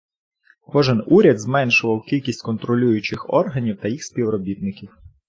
Кожен Уряд зменшував кількість контролюючих органів та їх співробітників.